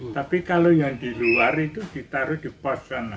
tapi kalau yang di luar itu ditaruh di pos sana